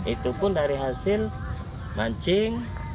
itu pun dari hasil mancing